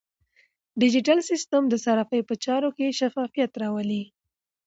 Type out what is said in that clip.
ډیجیټل سیستم د صرافۍ په چارو کې شفافیت راولي.